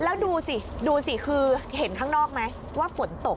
แล้วดูสิดูสิคือเห็นข้างนอกไหมว่าฝนตก